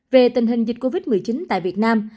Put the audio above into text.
về tình hình dịch covid một mươi chín tại việt nam